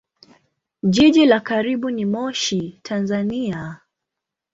Jiji la karibu ni Moshi, Tanzania.